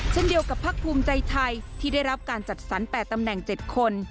เช่นเดียวกับพักภูมิใจไทยที่ได้รับการจัดสรร๘ตำแหน่ง๗คน